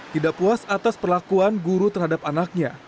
tidak puas atas perlakuan guru terhadap anaknya